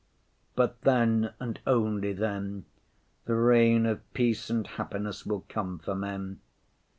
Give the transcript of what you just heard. But then, and only then, the reign of peace and happiness will come for men.